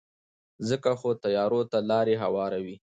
ځکه خو تیارو ته لارې هواروي.